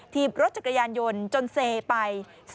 ทีบรถจักรยานยนต์จนเซไป